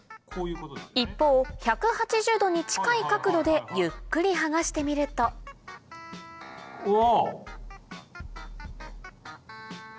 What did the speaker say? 一方１８０度に近い角度でゆっくり剥がしてみるとお！